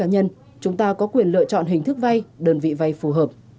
và mỗi cá nhân chúng ta có quyền lựa chọn hình thức vay đơn vị vay phù hợp